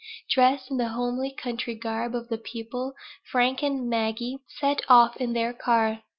Dressed in the homely country garb of the people, Frank and Maggie set off in their car.